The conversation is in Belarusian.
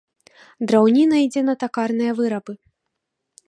Драўніна ідзе на такарныя вырабы.